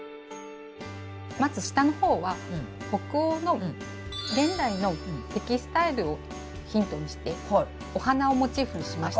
まず下の方は北欧の現代のテキスタイルをヒントにしてお花をモチーフにしました。